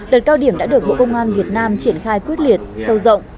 đợt cao điểm đã được bộ công an việt nam triển khai quyết liệt sâu rộng